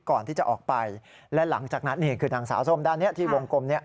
ก่อนที่จะออกไปและหลังจากนั้นนี่คือนางสาวส้มด้านนี้ที่วงกลมนี้